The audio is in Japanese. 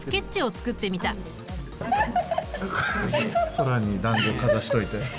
空にだんごをかざしといて。